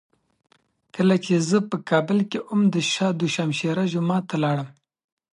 کله چي زه په کابل کي وم، د شاه دو شمشېره جومات ته لاړم.